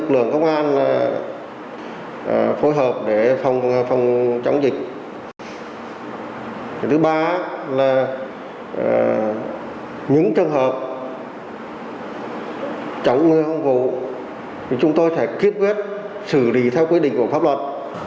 thì chúng tôi sẽ kiết quyết xử lý theo quyết định của pháp luật